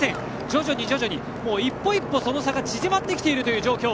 徐々に徐々に一歩一歩その差が縮まってきている状況。